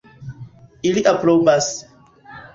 Ili aprobas.